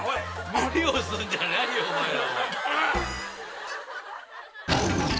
無理をするんじゃないよお前ら。